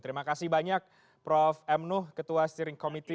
terima kasih banyak prof m nuh ketua steering committee